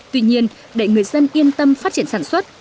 tuy nhiên để người dân yên tâm phát triển sản xuất